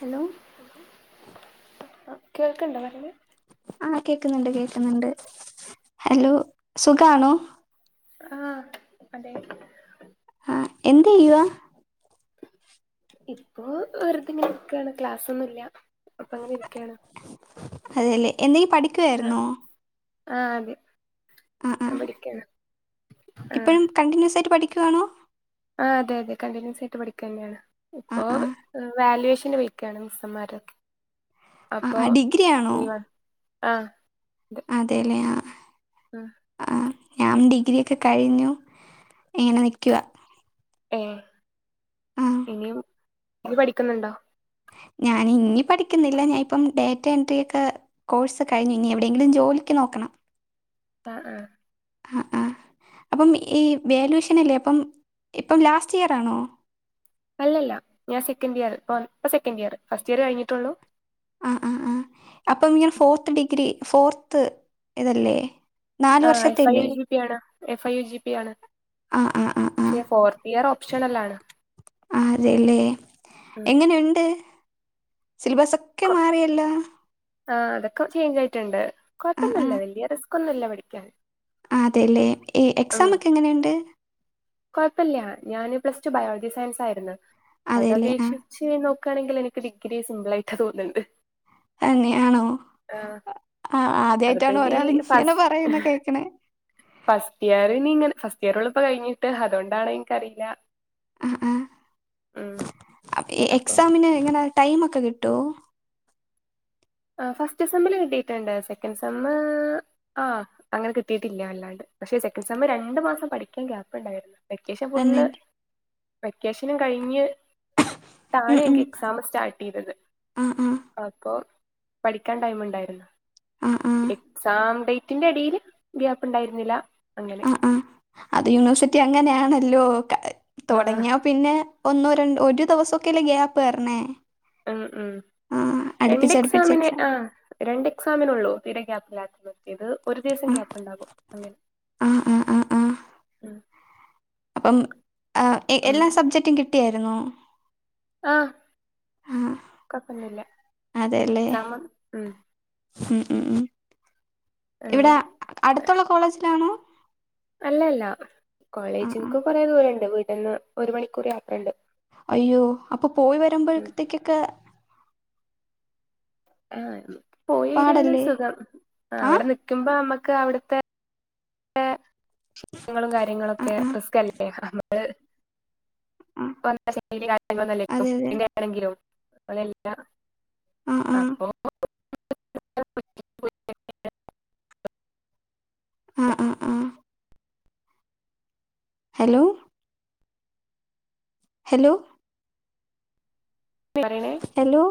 Hello ആഹ് കേൾക്കണ്ടോ പറയണത് ആഹ് കേക്കുന്നുണ്ട് കേക്കുന്നുണ്ട് ഹലോ സുഖമാണോ ആഹ് അതെ ആഹ് എന്ത് ചെയ്യുവാ ഇപ്പൊ വെറുതെങ്ങനെ ഇരിക്കുകയാണ് ക്ലാസ് ഒന്നു ഇല്ല അപ്പൊ അങ്ങനെ ഇരിക്കയാണ് അതെല്ലേ എന്തെങ്കിലും ആഹ് പഠിക്കുവായിരുന്നോ ആഹ് അതെ ആഹ് ഞാൻ ആഹ് പഠിക്കാണ് ആഹ് ഇപ്പോഴും കണ്ടിന്യൂസ് ആയിട്ട് പഠിക്കുകയാണോ ആഹ് അതെ അതെ കണ്ടിന്യൂസ് ആയിട്ട് പഠിക്കുക തന്നെയാണ് ആ ഇപ്പോ ആ വാലുവേഷന്റെ ആയി ക്കാണ് സമാര ആഹ് ആഹ് ഡിഗ്രി ആണോ ലീവാണ് ആഹ് അതെല്ലെ ആഹ് ഉം ആഹ് ഞാൻ ഡിഗ്രിയൊക്കെ കഴിഞ്ഞു ഇങ്ങനെ നിൽക്കുക ഏ ആ ഇന ഇനി പഠിക്കുന്നുണ്ടോ ഞാൻ ഇനി പഠിക്കുന്നില്ല ഞാൻ ഇപ്പം ഡേറ്റ എൻട്രിയ ഒക്കെ കോഴ്സ് കഴിഞ്ഞു ഇനി എവിടെെങ്കിലും ജോലിക്ക് നോക്കണം ആഹ് ആഹ് ആഹ് ആഹ് അപ്പം ഈ വാല്യൂയേഷൻ അല്ലേ അപ്പം ഇപ്പം ലാസ്റ്റ് ഇയർ ആണോ അല്ല അല്ല ഞാൻ സെക്കന്റിയർ ഇപ്പ സെക്കൻഡ ഇയർ ഫസ്റ്റ് ഇയർ കഴിഞ്ഞിട്ടുള്ളൂ ആഹ് ആഹ് ആഹ് അപ്പം ഇങ്ങനെ ഫോർത്ത് ഡിഗ്രി ഫോർത്ത് ഇതല്ലേ നാല് ആഹ് എഫ് ഐ വർഷത്തെല്ലേ യു ജിപി ആണ് എഫ് ഐ യു ജിപി ആണ് ആ ആ ആ പക്ഷെ ഫോർ യർ ഓപ്ഷണൽ ആണ് ആഹ് അതെയല്ലേ ഉം എങ്ങനെുണ്ട് സിലബസ് ഒക്കെ കൊ മാറിയല്ലോ ആഹ് അതൊക്കെ ചേഞ്ച് ആയിട്ടുണ്ട് ആ ആ കൊഴപ്പൊന്നുമില്ല വലിയ റിസ്ക്കൊന്നുമില്ല പഠിക്കാൻ ആഹ് അതെല്ലേ എക്സാം ഒക്കെ എങ്ങനെയുണ്ട് കുഴപ്പമില്ല ഞാന് പ്ലസ് ടു ബയോളജി സയൻസയിരുന്നു അത അതെല്ലേ ആ അപേക്ഷി ച്ചു നോക്കുകയാണെങ്കിൽ എനിക്കു ഡിഗ്രി സിമ്പിളായിട്ട് തോന്നുന്നുണ്ട് തന്നെയാണോ ആഹ് ആ അതിപ്പോ ആദ്യായിട്ടാണ് ഇനി ഒരാൾ ഇങ്ങനെ ഫസ് പറയുന്ന കേക്കിന് ഫസ്റ്റ് ഇയറിന് ഇങ്ങനെ ഫസ്റ്റ് ഇയർള്ള ഇപ്പോ കഴിഞ്ഞിട്ട് അതുകൊണ്ടാണ് എനിക്കറിയില്ല ആഹ് ഉം ആഹ് അപ്പൊ എക്സാമിന് എങ്ങനെ ടൈമ ഒക്കെ കിട്ടോ ആഹ് ഫസ്റ്റ് സെമ്മില് കട്ടിട്ടുണ്ട് സെക്കൻഡ് സെമ്മ് ആഹ് അങ്ങനെ കിട്ടീട്ടില്ല ല്ലേ പക്ഷെ സെക്കൻഡ് സെമ്മ് രണ്ടു മാസം പഠിക്കാൻ ഗ്യാപ് ഉണ്ടായിരുന്നു വെക്കേഷൻ തന്നെ ഫുള്ള് വെക്കേഷനും കഴിഞ്ഞ് തയെ ഉം ഉം എനിക്ക് എക്സാം സ്റ്റാർട്ട് ചെയ്തത് ആ ആ അപ്പൊ പഠിക്കാൻ ടൈം ഉണ്ടായിരുന്നു ആ ആ എക്സാം ഡേറ്റിന്റെ എടിൽ ഗ്യാപ്പ് ഉണ്ടായിരുന്നില്ല അങ്ങനെ ആഹ് അത് യൂണിവേഴ്സിറ്റി അങ്ങനെയാണല്ലോ ക ആ തൊടങ്ങിയ പിന്നെ ഒന്നോ രണ്ടോ ഒരു ദിവസൊക്കെല്ലേ ഗ്യാപ്പ് തരണേ ഉം ഉം രണ്ട് എക്സാമിന് എക്സാം ആഹ് രണ്ട് എക്സാമിനൊള്ളൂ തീരെ ഗ്യാപ്പില്ലാത്തത് ഇത് ഒരു ദിവസം ആ ഗ്യാപ്പ് ഉണ്ടാകും അല്ലേ ആ ആ ആ ആ ഉം അപ്പം ഏ ഉം എല്ലാ സബ്ജക്ടും കിട്ടിയായിരുന്നോ ആഹ് ആ കൊഴപ്പൊന്നുല്ല അതെല്ലേ എക്സാം ഉം ഉം ഉം ഉം ഇവിടെ അങ്ങനെ അടുത്തുള്ള കോളേജിലാണോ അല്ലല്ല ആ ആ കോളേജിക്ക് കൊറേ ദൂരണ്ട് വീട്ടിന്ന് ഒരു മണിക്കൂർ യാത്രണ്ട് അയ്യോ അപ്പൊ പോയി ഉം വരുമ്പഴത്തേക്കൊക്കെ ആഹ് പോയിവരാണ് പാടല്ലേ സുഖം ആ അവിടെ നിക്കുമ്പോ നമ്മുക്ക് അവിടുത്തെ ത്തെ ക്ഷീണങ്ങളും ആ കാര്യങ്ങളൊക്കെ ആ റിസ്കല്ലേ നമ്മള് ആ അതെ അതെ [inaudible] ആണെങ്കിലോ അതല്ല ആ ആ അപ്പൊ ആഹ് ആഹ് ആഹ് ഹലോ ഹലോ പരിനെ ഹലോ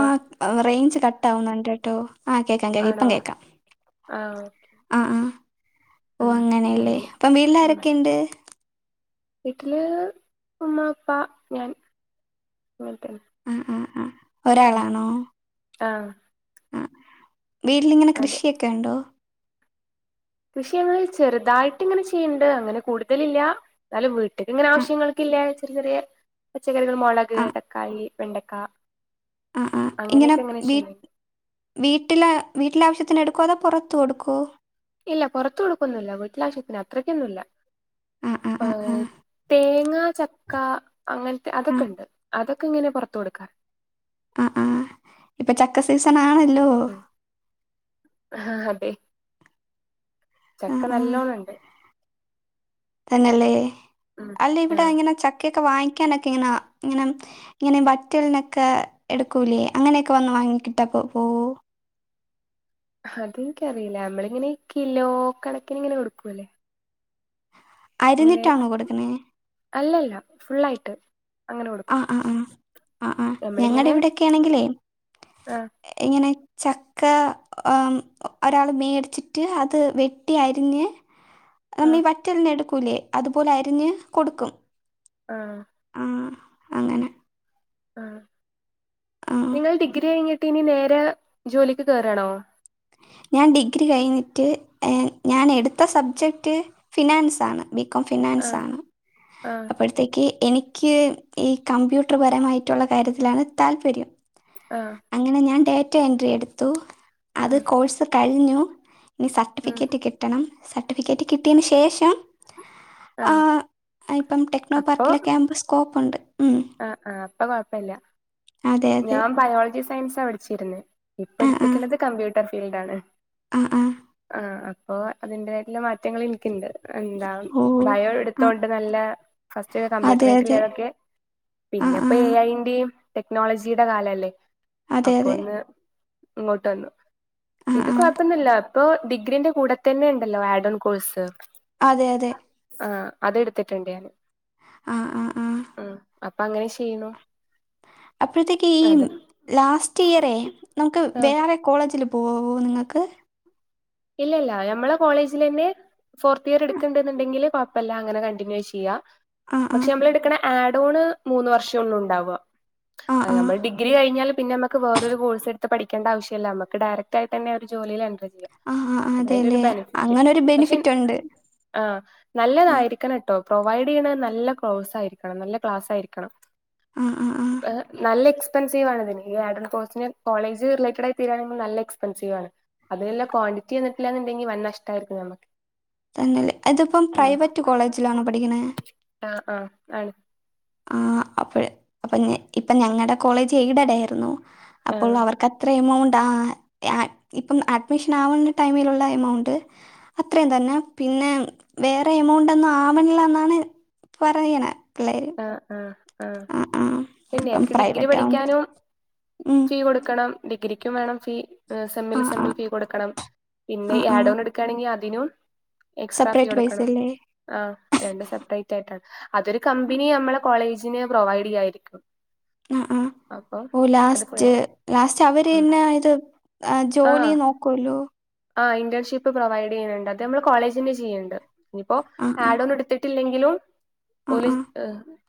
ആഹ് റേഞ്ച് കട്ടാവുന്നുണ്ട് ട്ടോ ആഹ് കേക്കാം കേക്കാ ഇപ്പം ആണോ കേക്കാം ആ ഓക്കെ ആഹ് ആഹ് ഓഹ് ഉം അങ്ങനെയല്ലേ അങ്ങനെ അപ്പം ഉം വീട്ടിലാരൊക്കെണ്ട് വീട്ടില് ഉമ്മ ഉപ്പാ ഞാൻ ആഹ് ആഹ് ആഹ് ഉം ഒരാളാണോ ആ ആ വീട്ടിലിങ്ങനെ അതെ കൃഷിയൊക്കെ ഉണ്ടോ കൃഷിങ്ങള് ചെറുതായിട്ടിങ്ങനെ ചെയ്യണ്ട് അങ്ങനെ കൂടുതലില്ല എന്നാലും വീ ട്ട്ക്കിങ്ങനെ ആ ആവശ്യങ്ങൾക്കില്ലേ ചെറിയ ചെറിയ പച്ചക്കറികൾ മൊളക് ആ തക്കാളി വെണ്ടക്ക ആഹ് ആഹ് ഇങ്ങനെ അങ്ങനെയൊക്കെ വീ ചെയ്യും വീട്ടിലെ വീട്ടിലെ ആവശ്യത്തിന് എടുക്കുവോ അതോ പൊറത്തു കൊടുക്കോ ഇല്ല പൊറത്തൊടുക്കൊന്നുല്ല വീട്ടിലാവശ്യത്തിന് അത്രയ്ക്കൊന്നുല്ല ആ ആ ആ ആ ഏഹ് തേങ്ങാ ചക്ക അങ്ങനത്തെ അതൊക്കെണ്ട് അതൊക്കെങ്ങനെ പൊറത്ത് കൊടുക്കാൻ ആഹ് ആഹ് ഇപ്പൊ ചക്ക സീസൺ ആണല്ലോ ഉം ആഹ് അതെ ആ ചക്ക ആ നല്ലോണണ്ട് തന്നെല്ലേ ആഹ് അല്ല ഇവ്ടെ അങ്ങനെ ചക്കയൊക്കെ വാങ്ങിക്ക്യാനൊക്കെ ഇങ്ങനെ ഇങ്ങനെ ഇങ്ങനെ വറ്റൽനൊക്കെ എട്ക്കൂലേ അങ്ങനെയൊക്കെ വന്ന് വാങ്ങിക്കിട്ടാ പോ പോവോ അത് എനിക്കറിയില്ല നമ്മളിങ്ങനെ കിലോ കണക്കിന് ഇങ്ങനെ കൊടുക്കൂല്ലേ ഇങ്ങനെ അരിഞ്ഞിട്ടാണോ കൊട്ക്ക്ണേ അല്ലല്ല ഫുള്ളായിട്ട് അങ്ങനെ കൊടു ആഹ് ആഹ് ആഹ് ആഹ് ഞങ്ങടെ ഇവിടെയൊക്ക്യെ ആണെങ്കിലേ ആഹ് ഇങ്ങനെ ചക്ക അം ഒരാള് മേടിച്ചിട്ട് അത് വെട്ടി അരിഞ്ഞ് നമ്മെ ആഹ് ഈ വറ്റൽന് എടുക്കൂല്ലേ അതുപോലെ അരിഞ്ഞ് കൊടുക്കും. ആഹ് ആഹ് അങ്ങനെ ആഹ് ആ നിങ്ങൾ ഡിഗ്രി കഴിഞ്ഞിട്ട് ഇനി നേരെ ജോലിക്ക് കേറാണോ ഞാൻ ഡിഗ്രി കഴിഞ്ഞിട്ട് ഏഹ് ഞാൻ എടുത്ത സബ്ജക്റ്റ് ഫിനാൻസാണ്. ബികോം ആഹ് ഫിനാൻസാണ് ആഹ് അപ്പെഴ് ത്തേക്ക് എനിക്ക് ഈ കമ്പ്യൂട്ടർ പരമായിറ്റൊള്ള കാര്യത്തിലാണ് താല്പര്യം. ആഹ് അങ്ങനെ ഞാൻ ഡേറ്റ എൻട്രി എടുത്തു. അത് ഉം കോഴ്സ് കഴിഞ്ഞു ഇനി ഉം സർട്ടിഫിക്കറ്റ് കിട്ടണം സർട്ടിഫിക്കറ്റ് കിട്ടിയേന് ശേഷം. ആഹ് അഹ് ഇപ്പം ടെക്നോ അപ്പൊ പാർക്കിലൊക്കെ ആവുമ്പൊ സ്കോപ്പുണ്ട്. ആഹ് ആഹ് അപ്പൊ കൊഴപ്പല്ല്യ അതെ അതെ ഞാൻ ബയോളജി സയൻസാ പഠിച്ചിര്ന്ന് ഇപ്പ ഇട്ത്ത്ക്ക്ണത് കമ്പ്യൂട്ടർ ഫീൽഡാണ്. അഹ് ആഹ് ആഹ് അപ്പൊ അതിന്റെതായിട്ടുള്ള മാ റ്റങ്ങള് ഇൻക്ക്ണ്ട് എന്താ ഓ ബായോ ആ എടുത്തോണ്ട് നല്ല ഫസ്റ്റ്ഒക്കെ അതെ അതെ കമ്പ്യൂട്ടർനേറ്റ്ല്ലതൊക്കെ. ആ പിന്നെ ആ ഇപ്പോ എ ഐ ന്റിം ടെക്നോളജിയുടെ കാലല്ലേ അതെ അപ്പ അതെ ഒന്ന്. ഇങ്ങോട്ട് വന്നു ആ ഇത് ആ കൊഴപ്പന്നുല്ല ഇപ്പൊ ഡിഗ്രിന്റെ കൂടെ തന്നെ ഇണ്ടല്ലോ ആഡോൺ കോഴ്സ്. അതെ അതെ ആഹ് അതെട്ത്തിട്ട്ണ്ട് ഞാന് ആ ആ ആ ആഹ് അപ്പ അങ്ങനെ ചെയ്യ്ണു. അപ്പഴ്ത്തേക്ക് ഈ അതെ ലാസ്റ്റ് ഇയറേ നമുക്ക് ആ വേറെ കോളേജില് പോകാവോ നിങ്ങക്ക്. ഇല്ലല്ല ഞമ്മളെ കോളേജിലെന്നെ ഫോർത്ത് ഇയർ ആ ഇട്ക്ക്ണ്ട്ന്ന്ണ്ടെങ്കില് കൊഴ് പ്പല്ല അങ്ങനെ കണ്ടിന്യൂ ചെയ്യാ ആ ആ പക്ഷെ നമ്മൾ ഇട്ക്ക്ണ ആഡോണ് മൂന്ന് വർഷൊള്ളു ഇണ്ടാവ ആ അത്‌ ആ ഞമ്മള് ഡിഗ്രി കഴിഞ്ഞാല് പിന്നെ ഞമ്മ ക്ക് വേറൊരു കോഴ്സ് എട്ത്ത് പഠിക്കണ്ട ആവശ്യല്ല അമ്മക്ക് ഡയറെക്റ്റ് ആയിതന്നെ ഒരു ജോലിയില് എന്റർ ചെയ്യാം. ആ ആ അതാ അയ്ന്റൊരു അതെല്ലേ ബെനഫിറ്റ് അങ്ങനെ ഒരു പക്ഷെ ബെനിഫിറ്റ് ഉണ്ട് ആഹ് ആ നല്ലതായിരിക്കണംട്ടോ പ്രൊവൈഡ് ചെയ്യണത് നല്ല കോഴ്സ് ആയിരിക്കണം നല്ല ക്ലാസ് ആയിരിക്കണം. ആ ആ ആ എഹ് നല്ല എക്സ് പെൻസീവാണ് ഇതിന് ഈ ആഡോൺ കോഴ്സ്ന് കോളേജ് റിലേറ്റഡായി തീരാണെങ്കിൽ നമ്മള് നല്ല എസ്പെൻസീവണ്. അതിന്ല്ല ക്വാണ്ടിറ്റി വന്ന്റ്റില്ലാന്ന്ണ്ടെങ്കി വൻ നഷ്ടമായിരിക്കും ഞമ്മക്ക്. തന്നെ അല്ലെ അത്‌പ്പം പ്രൈവറ്റ് കോളേജിലാണോ പഠിക്ക്ണേ ആഹ് ആഹ് ആണ്. ആഹ് അപ്പഴ് അപ്പഞ് ഇപ്പ ഞങ്ങടെ കോളേജ് എയ്ഡഡായിരുന്നു അപ്പോൾ ആഹ് അവർക്ക് അ ത്ര എമൗണ്ട് ആ അഹ് ഇപ്പം അഡ്മിഷൻ ആവുന്ന ടൈമിലുള്ള എമൗണ്ട്. അത്രയും തന്നെ പിന്നെ വേറെ എമൗണ്ടൊന്നും ആവണില്ല എന്നാണ്. പറയ്ണെ പിള്ളേര്. ആഹ് ആഹ് ആഹ് പിന്നെ അപ്പം എനിക്ക് ഡിഗ്രി പ്രൈവറ്റ് ആവുമ്പോൾ പഠിക്കാനും ഫീ കൊടുക്കണം. ഡിഗ്രിക്കും വേണം ഫീ ആ സെമ്മില് ആ സെമ്മില് ഫീ കൊടുക്കണം. പിന്നെ ആ ഈ ആ ആഡോൺ എടുക്കാണെങ്കി അതിനും എക്സ്ട്രാ ഫീ സെപ്പറേറ്റ് പൈസ അടക്കണം. അല്ലേ ആഹ് രണ്ടും സെപ്പറേറ്റ് ആയിട്ടാണ് അതൊരു കമ്പനി നമ്മളെ കോളേജിന് പ്രൊവൈഡ് ചെയ്യായിരിക്കും. ആഹ് ആഹ് അപ്പൊ ഓഹ് അത് ഫുൾ ലാസ്റ്റ് ലാസ്റ്റ് അവര് ഉം തന്നെ ഇത് ജോലി ആഹ് നോ ക്കുവല്ലോ? ആഹ് ഇന്റേൺഷിപ്പ് പ്രൊവൈഡ് ചെയ്യുന്നുണ്ട് അത് നമ്മള് കോളേജ് തന്നെ ചെയ്യ്ണ്ട് ഇനിയിപ്പോ ആ ആ ആഡോൺ എടുത്തിട്ട് ഇല്ലെങ്കിലും ആ ഓല് ആ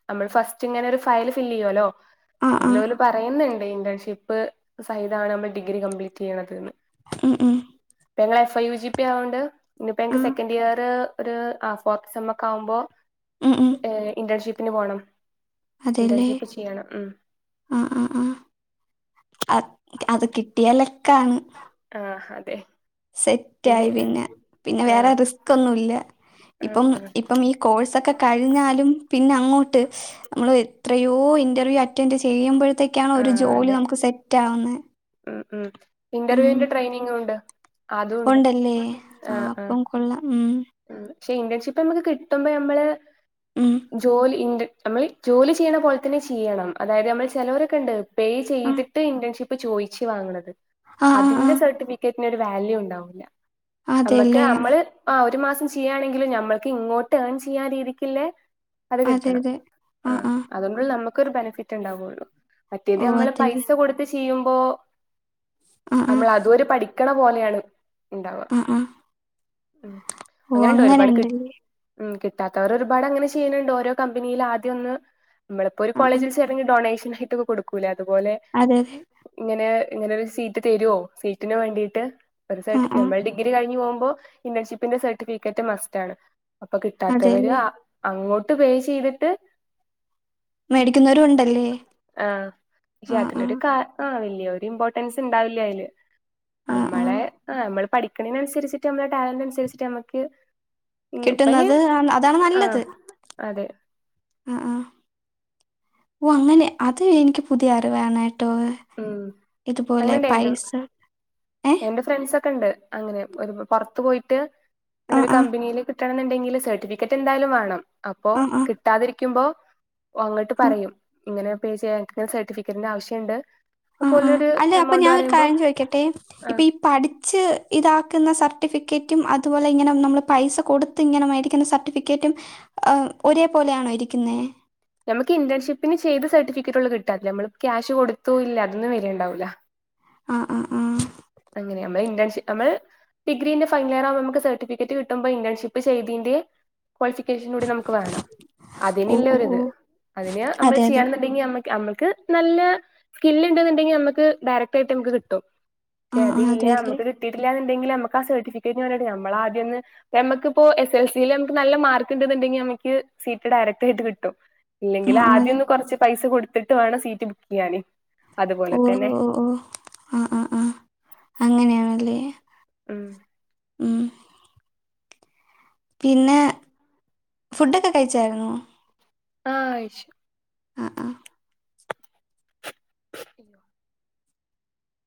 നമ്മള് ഫസ്റ്റ് ഇങ്ങനെ ഒരു ഫയൽ ഫില്ല് ചെയ്യുവല്ലോ ആ ആ ഇതില് ഓല് പറയുന്നുണ്ട് ഇന്റേൺഷിപ്പ് സഹിതാണ് നമ്മൾ ഡിഗ്രി കംപ്ലീറ്റ് ചെയ്യണത് ന്ന് ഉം ഉം ഇപ്പ ഞങ്ങള് F. I. U. G. P ആയോണ്ട് ഇഞ്പ്പൊ ആ ഞ്ഞങ്ങക്ക് സെക്കൻഡിയറ് ഒരു ആ ഫോർത്ത് സെമ്മൊക്കെ ആവുമ്പോ ഉം ഉം ഏഹ് ഇന്റേൺഷിപ്പിന് പോണം. അതേല്ലേ? ഇന്റേൺഷിപ്പ് ചെയ്യണം ഉം ആഹ് ആഹ് ആഹ് അത് കിട്ടിയാ ലക്കാണ്. ആഹ് അതെ സെറ്റായി പിന്നെ പിന്നെ വേറെ ആഹ് റിസ്കൊന്നും ഇല്ല ആഹ് ഇപ്പം ആഹ് ഇപ്പം ഈ കോഴ്സൊക്കെ കഴിഞ്ഞാലും പിന്നെ അങ്ങോട്ട് നമ്മള് എത്രയോ ഇന്റർവ്യൂ അറ്റൻഡ് ചെയ്യുമ്പഴത്തേക്കാണ് ഒരു ആഹ് ജോലി അതെ നമുക്ക് സെറ്റ് ആവുന്നെ ഉം ഉം ഉം ഇന്റർവ്യൂന്റെ ട്രെയിനിംങ്ങൂണ്ട് അതൂണ്ട് ഉണ്ടല്ലേ ആ ആഹ് ആഹ് അപ്പം കൊള്ളാം ഉം ഉം പക്ഷെ ഇന്റേൺഷിപ്പ് അമ്മക്ക് കിട്ടുമ്പോ ഞമ്മള് ഉം ജോലി ഇൻ നമ്മള് ജോലി ചെയ്യണ പോലെ തന്നെ ചെയ്യണം അതായത് നമ്മള് ചെലവരൊക്കെണ്ട് പേ ആ ചെയ്തിട്ട് ഇന്റേൺഷിപ്പ് ചോയിച്ച് വാങ്ങണത് ആ ആ ആ അതിന്റെ സർട്ടിഫിക്കറ്റിന് ഒരു വാല്യൂ ഉണ്ടാവൂല്ല നമ്മക്ക് അതെല്ലേ നമ്മള് ആ ഒരു മാസം ചെയ്യാണെങ്കിലും ഞമ്മക്ക് ഇങ്ങോട്ട് ഏൺ ചെയ്യാൻ രീതിക്കില്ലെ അത് അതെ കിട്ടണം അതെ ആ ആഹ് ആ അതു കൊണ്ടല്ലേ നമുക്കൊരു ബനഫിറ്റ് ഇണ്ടാവൊള്ളൂ മറ്റേത് ഓ നമ്മള് അതെല്ലേ പൈസ കൊടുത്ത് ചെയ്യുമ്പോ ആ ആ നമ്മള് അതൂടി പഠി ക്കണ പോലെയാണ് ഇണ്ടാവു ആ ആ ഉം ഓ അങ്ങനെണ്ട് ഒരുപാട് കി അങ്ങനെയുണ്ടല്ലേ ഉം കിട്ടാത്തവര് ഒരുപാട് അങ്ങനെ ചെയ്യണണ്ട് ഓരോ കമ്പനിയില് ആദ്യം ഒന്ന് നമ്മളിപ്പോ ഒരു ആഹ് ആഹ് കോളേജിൽ ചേർ ന്ന ഈ ഡൊണേഷനായിട്ടൊക്ക കൊടുക്കൂലേ അതുപോലെ അതെ ഇങ്ങനെ ഇങ്ങനൊരു സീറ്റ് തരുവോ സീറ്റിന് വേണ്ടിട്ട് ആഹ് പൈസായിട്ട് ആഹ് നമ്മളെ ഡിഗ്രി ഡിഗ്രി കഴിഞ്ഞു പോകുമ്പോ ഇന്റേൺഷിപ്പിന്റെ സർട്ടിഫിക്കറ്റ് മസ്റ്റാണ് അപ്പൊ കിട്ടാത്തവര് അതെല്ലേ അങ്ങോട്ട് പേ ചെയ്തിട്ട് മേടിക്കുന്നവരും ഉണ്ടല്ലേ? ആഹ് പക്ഷെ ആഹ് അതിലൊരു ആഹ് ആഹ് വല്ല്യ ഒരു ഇമ്പോർട്ടൻസ് ഇണ്ടാവില്ല അതില് അമ്മളെ ആഹ് നമ്മള് പഠി ക്ക്ണേന് അനുസരിച്ചിട്ട് നമ്മളെ ടാലന്റ് അനുസരിച്ചിട്ട് നമ്മക്ക് ഉം ഇപ്പയിന് കിട്ടുന്നത് ആ- അതാണ് ആഹ് നല്ലത് അതെ ആഹ് ആഹ് ഓഹ് അങ്ങനെ അത് എനിക്ക് പുതിയ അറിവാണ് കേ കേട്ടോ? ഉം ഇതു പോലെ പൈസ ഏഹ് ഇന്റെ ഫ്രണ്ട്സക്കെ ഇണ്ട് അങ്ങനെ പൊറത്ത് പോയിട്ട് ഇങ്ങനെ ആഹ് ഒരു ആഹ് കമ്പനിയില് കിട്ട കിട്ടാണ് ഇണ്ടെങ്കിൽ സർട്ടിഫിക്കറ്റ് എന്തായാലും വേണം അപ്പോ ആഹ് ആഹ് കിട്ടാതിരിക്കുമ്പോ ഓ അങ്ങട്ട് ആഹ് പറയും ഇങ്ങനെ പേ ചെയ്യാ ഞങ്ങക്കിങ്ങനെ സർട്ടിഫിക്കറ്റിന്റെ ആവശ്യം ഇണ്ട്. അപ്പോ ഓലൊരു എമൗണ്ട് പറയുമ്പോ? വെക്കട്ടെ? ആഹ് പഠിച്ച് ഇതാക്കുന്ന സർട്ടിഫിക്കറ്റും അതുപോലെ ഇങ്ങനെ നമ്മള് പൈസ കൊടുത്ത് ട്ത്ത് ഇങ്ങനെ മേടിക്കുന്ന സർട്ടിഫിക്കറ്റും ഒരേ പോലെയാണോ ഇരിക്കുന്നേ? നമക്ക് ഇന്റേൺഷിപ്പിന് ചെയ്ത് സർട്ടിഫിക്കറ്റൊള്ളു കിട്ടാൻ. നമ്മൾ ക്യാഷ് കൊടുത്തൂ ഇല്ലാ അതൊന്നും വര്ല്ണ്ടാവൂല്ല ആ ആ ആഹ് ആഹ് അങ്ങനെ നമ്മൾ ഇന്റേൺഷിപ്പ് നമ്മള് ഡിഗ്രീന്റെ ഫൈനൽ ഇയർ ആവുമ്പോ നമുക്ക് സർട്ടിഫിക്കറ്റ് കിട്ടുമ്പോ ഇന്റേൺഷിപ്പ് ചെയ്തീന്റെ ക്വാളിഫിക്കേഷനും കൂടി നമുക്ക് ക്ക് വേണം ഓ ഓ ഓ അതിനില്ലൊരിത് അതിന് നമ്മള് അതെ അതെ ചെയ്യണം എന്നുണ്ടെങ്കിൽ നമ്മ നമ്മൾക്ക് നല്ല സ്കില്ല് ഉണ്ട് എന്നുണ്ടെങ്കിൽ നമുക്ക് ഡയറക്ട് ആയിട്ട് നമുക്ക് കിട്ടും. ചേ ആഹ് ആഹ് അതില്ല അതെ അതെ നമക്ക് കിട്ടിയിട്ടില്ലാന്നു ണ്ടെങ്കിൽ നമ്മക്ക് ആ സർട്ടിഫിക്കറ്റിന് വേണ്ടി നമ്മള് ആദ്യം ഒന്ന് നമക്കിപ്പോ എസ് എൽ സീൽ നമുക്ക് നല്ല മാർക്ക് ഉണ്ടെങ്കിൽ നമക്ക് സീറ്റ് ഡയറക്റ്റ് ആയിട്ട് കിട്ടും ഇല്ലെങ്കിൽ ആഹ് ആഹ് ആദ്യം അതെ ഒന്ന് കൊറച്ച് പൈസ കൊടുത്തിട്ട് വേണം സീറ്റ് ബുക്ക് ചെയ്യാൻ അതുപോലെ ഓഹ് തന്നെ ഓഹ് ആഹ് ആഹ് ആഹ് അങ്ങനെയാണല്ലേ ഉം ഉം പിന്നെ ഫുഡൊക്കെ കഴിച്ചായിരുന്നോ? ആഹ് കഴിച്ചു. ആ ആഹ്